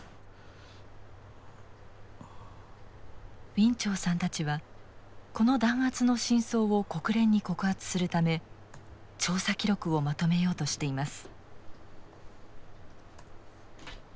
ウィン・チョウさんたちはこの弾圧の真相を国連に告発するため調査記録をまとめようとしています。